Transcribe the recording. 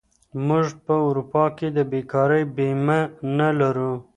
موږ په اروپا کې د بېکارۍ بیمه نه لرو.